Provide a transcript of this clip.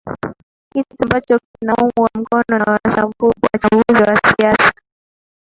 kitu ambacho kinaungwa mkono na wachambuzi wa siasa